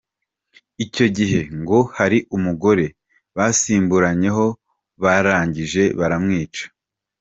Icyo gihe ngo hari umugore basimburanyeho barangije baramwica.